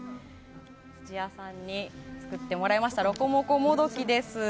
土屋さんに作ってもらいましたロコモコもどきです。